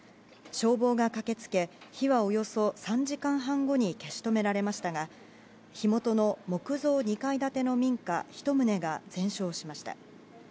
消防が駆け付け火は、およそ３時間半後に消し止められましたが火元の木造２階建ての民家１棟が全焼しました。